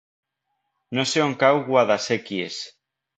No sé on cau Guadasséquies.